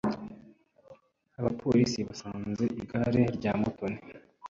Abapolisi basanze igare rya Mutoni.